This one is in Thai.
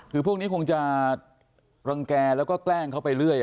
คือพวกนี้คงจะรังแก่แล้วก็แกล้งเขาไปเรื่อย